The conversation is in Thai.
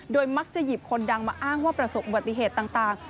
มักจะหยิบคนดังมาอ้างว่าประสบอุบัติเหตุต่าง